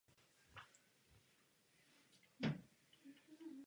Vzácně jsou v oblasti k nalezení též zuby či kosti větších savců.